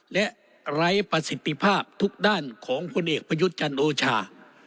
และไร้ประสิทธิภาพทุกด้านของพลเอกประยุทธ์จันทร์โอชา